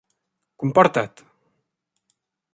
Comporta't!